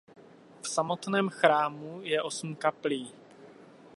V samotném chrámu je osm kaplí.